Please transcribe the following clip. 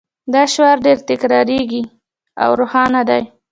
دا شعار ډیر تکراري او روښانه دی